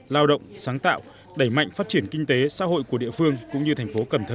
lao động sáng tạo đẩy mạnh phát triển kinh tế xã hội của địa phương cũng như thành phố cần thơ